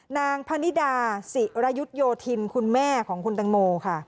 นางพนิดาศิรยุทธโยธินคุณแม่ของคุณตังโมค่ะ